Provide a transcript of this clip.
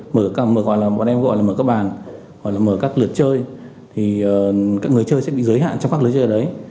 mở các mở gọi là bọn em gọi là mở các bàn hoặc là mở các lượt chơi thì các người chơi sẽ bị giới hạn trong các lượt chơi ở đấy